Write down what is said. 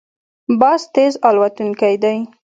باز تېز الوتونکی دی